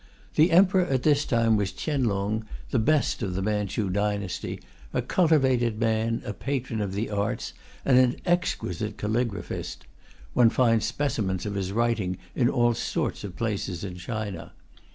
The Emperor at this time was Chien Lung, the best of the Manchu dynasty, a cultivated man, a patron of the arts, and an exquisite calligraphist. (One finds specimens of his writing in all sorts of places in China.)